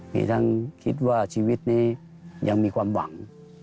มีทั้งคิดว่าชีวิตนี้ยังมีความหวัง